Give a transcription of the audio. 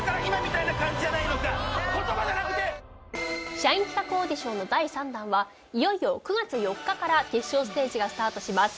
社員企画オーディションの第３弾はいよいよ９月４日から決勝ステージがスタートします。